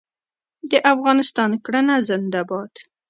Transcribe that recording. د افغانستان کرنه زنده باد.